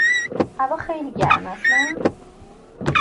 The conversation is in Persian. هوا خیلی گرم است، نه؟